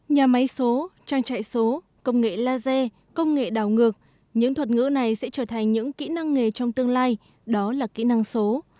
nhà máy số trang trại số công nghệ laser công nghệ đảo ngược những thuật ngữ này sẽ trở thành những kỹ năng nghề trong tương lai đó là kỹ năng số